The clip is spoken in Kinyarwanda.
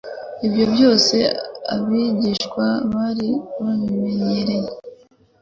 ibyo byose abigishwa bari babimenyereye.